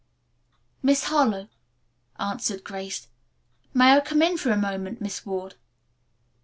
"Miss Harlowe," answered Grace. "May I come in for a moment, Miss Ward?"